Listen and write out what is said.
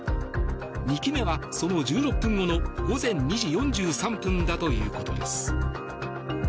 ２機目はその１６分後の午前２時４３分だということです。